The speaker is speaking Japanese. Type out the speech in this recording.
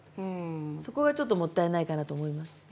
そこがちょっともったいないかなと思います。